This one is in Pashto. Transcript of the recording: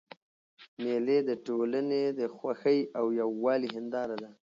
مېلې د ټولني د خوښۍ او یووالي هنداره ده.